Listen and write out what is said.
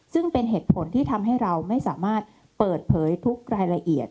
ซึ่งเป็นเหตุผลที่ทำให้เราไม่สามารถเปิดเผยทุกรายละเอียด